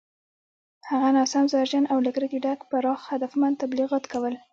هغه ناسم، زهرجن او له کرکې ډک پراخ هدفمند تبلیغات کول